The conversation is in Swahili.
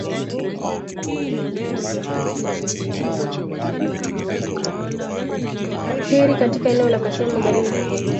heria katika eneo la kasem magharibi pekee